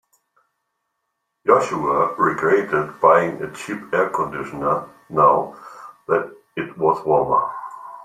Joshua regretted buying a cheap air conditioner now that it was warmer.